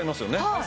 はい。